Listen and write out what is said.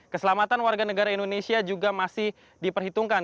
keselamatan warga negara indonesia juga masih diperhitungkan